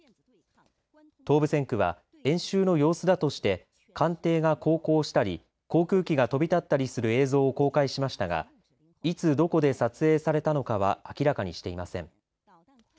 東部戦区は演習の様子だとして艦艇が航行したり航空機が飛び立ったりする映像を公開しましたがいつどこで撮影されたのかは明らかにしていません。